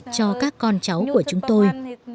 cho các con cháu của chúng tôi